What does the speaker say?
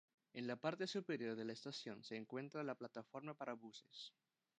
En la parte superior de la estación se encuentra la plataforma para buses.